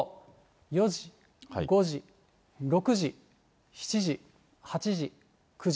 ４時、５時、６時、７時、８時、９時。